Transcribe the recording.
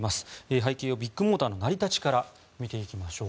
背景をビッグモーターの成り立ちから見ていきましょう。